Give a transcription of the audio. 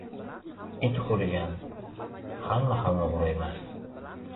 • It hurigan hamma ham o‘g‘ri emas.